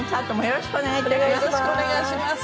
よろしくお願いします。